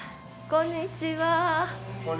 こんにちは。